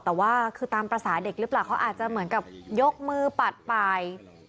แต่ว่าคือตามภาษาเด็กหรือเปล่าเขาอาจจะเหมือนกับยกมือปัดไป